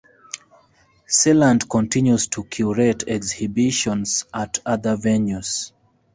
Celant continues to curate exhibitions at other venues.